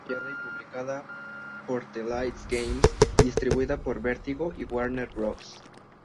Fue desarrollada y publicada por Telltale Games y distribuida por Vertigo y Warner Bros.